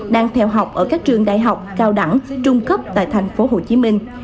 đang theo học ở các trường đại học cao đẳng trung cấp tại tp hcm